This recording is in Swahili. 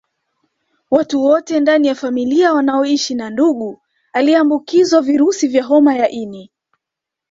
Watu wote ndani ya familia wanaoshi na ndugu aliyeambukizwa virusi vya homa ya ini